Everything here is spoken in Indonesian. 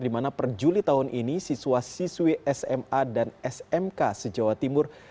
di mana per juli tahun ini siswa siswi sma dan smk se jawa timur